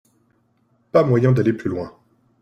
Pas moyen d'aller plus loin.